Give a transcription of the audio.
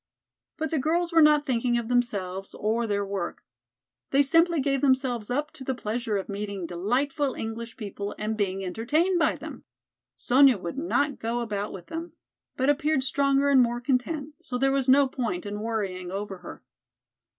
But the girls were not thinking of themselves or their work. They simply gave themselves up to the pleasure of meeting delightful English people and being entertained by them. Sonya would not go about with them, but appeared stronger and more content, so there was no point in worrying over her.